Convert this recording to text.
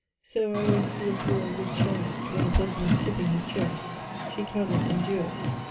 So I always feel for and with Charlotte, when a person is tipping his chair. She cannot endure it.